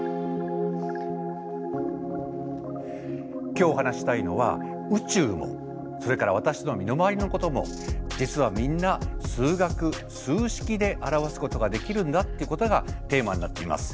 今日お話ししたいのは宇宙もそれから私の身の回りのことも実はみんな数学数式で表すことができるんだっていうことがテーマになっています。